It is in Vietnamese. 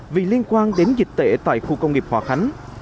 vì liên quan đến dịch tễ tại khu công nghiệp hòa khánh